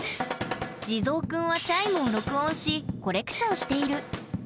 地蔵くんはチャイムを録音しコレクションしている。